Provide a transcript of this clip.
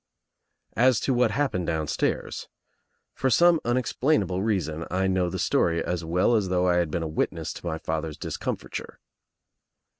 As to what happened downstairs. For some urex plainable reason I know the story as well as though I had been a witness to my father's discomfiture.